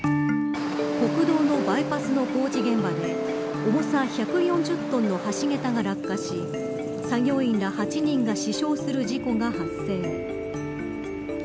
国道のバイパスの工事現場で重さ１４０トンの橋桁が落下し作業員ら８人が死傷する事故が発生。